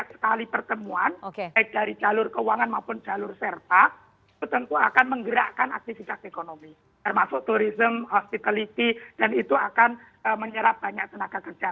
sekali pertemuan baik dari jalur keuangan maupun jalur serta tentu akan menggerakkan aktivitas ekonomi termasuk turism hospitality dan itu akan menyerap banyak tenaga kerja